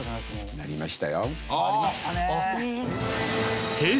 なりましたね！